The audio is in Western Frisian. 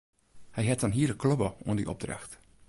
Hy hat in hiele klobbe oan dy opdracht.